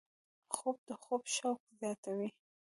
خوب د خوب شوق زیاتوي